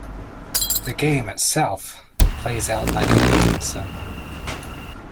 The game itself plays out like a dating sim.